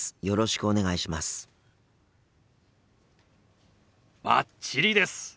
よろしくお願いします。